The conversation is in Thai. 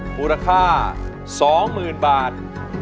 มูลค่าสองหมื่นบาท